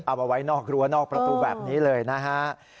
เอาไว้นอกรั้วนอกประตูแบบนี้เลยนะฮะ